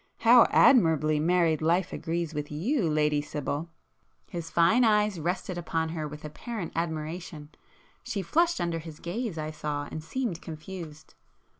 How admirably married life agrees with you, Lady Sibyl!" His fine eyes rested upon her with apparent admiration,—she flushed under his gaze I saw, and seemed confused.